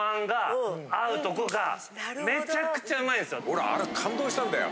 ほらあれ感動したんだよ。